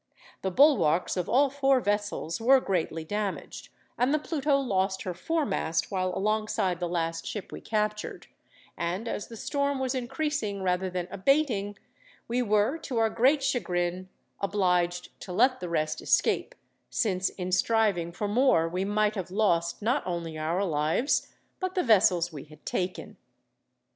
The bulwarks of all four vessels were greatly damaged, and the Pluto lost her foremast while alongside the last ship we captured, and as the storm was increasing, rather than abating, we were, to our great chagrin, obliged to let the rest escape, since in striving for more we might have lost, not only our lives, but the vessels we had taken."